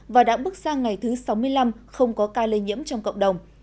và đã bước sang ngày thứ sáu mươi năm không có ca lây nhiễm trong cộng đồng